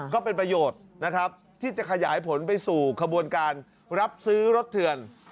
ก็เป็นประโยชน์นะครับที่จะขยายผลไปสู่ขบวนการรับซื้อรถเถื่อน